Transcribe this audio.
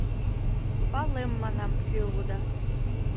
Палем, манам, кӧ улыда...